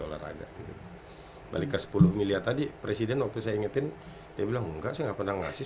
olahraga gitu balik ke sepuluh miliar tadi presiden waktu saya ingetin dia bilang enggak saya enggak pernah ngasih